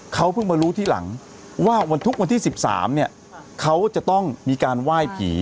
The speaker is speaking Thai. เขาเพิ่งมารู้ทีหลังว่าวันทุกวันที่๑๓เนี่ยเขาจะต้องมีการไหว้ผี